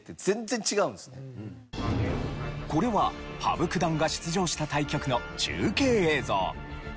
これは羽生九段が出場した対局の中継映像。